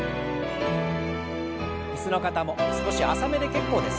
椅子の方も少し浅めで結構です。